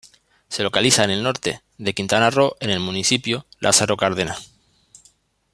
Se localiza en el norte de Quintana Roo en el municipio Lázaro Cárdenas.